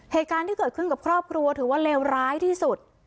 เหตุการณ์ที่เกิดขึ้นกับครอบครัวถือว่าเลวร้ายที่สุด